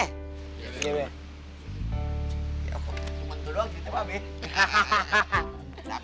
ya kok cuma gue doang cerita pak be